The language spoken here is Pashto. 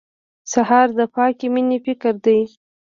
سهار د پاکې مېنې فکر دی.